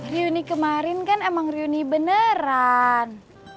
riuni kemarin kan emang riuni beneran